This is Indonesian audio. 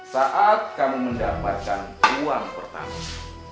saat kami mendapatkan uang pertama